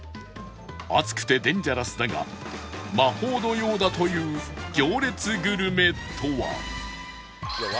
熱くてデンジャラスだが魔法のようだという行列グルメとは？